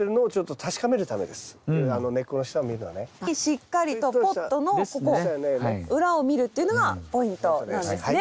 しっかりとポットのここ裏を見るっていうのがポイントなんですね。